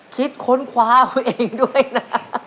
ค้นคว้าเขาเองด้วยนะ